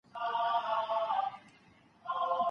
ایا مړ سړی په ډګر کي ږدن او اتڼ خوښوي؟